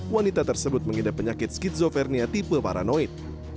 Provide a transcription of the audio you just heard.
wanita tersebut mengidap penyakit skizofrenia tipe paranoid